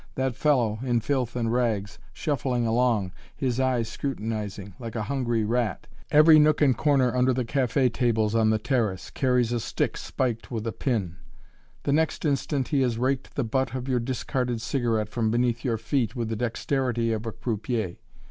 That fellow, in filth and rags, shuffling along, his eyes scrutinizing, like a hungry rat, every nook and corner under the café tables on the terrace, carries a stick spiked with a pin. The next instant, he has raked the butt of your discarded cigarette from beneath your feet with the dexterity of a croupier.